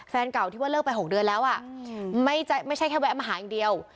แฟนเก่าที่ว่าเลิกไป๖เดือนแล้วไม่ใช่แค่แวะมาหาอย่างเดียว